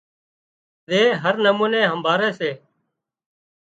زي هر نموني همڀاۯي سي